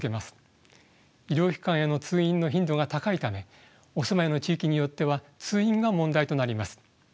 医療機関への通院の頻度が高いためお住まいの地域によっては通院が問題となります。